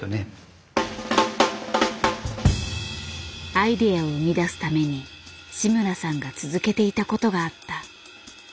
アイデアを生み出すために志村さんが続けていたことがあった。